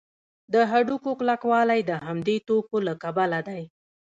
د هډوکو کلکوالی د همدې توکو له کبله دی.